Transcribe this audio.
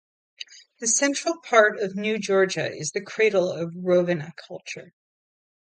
The central part of New Georgia is the cradle of Roviana culture.